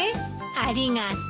ありがとう。